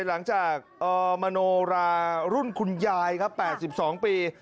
หลังจากมโนรารุ่นคุณยายครับ๘๒ปี